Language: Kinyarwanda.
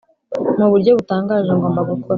mu buryo butangaje ngomba gukora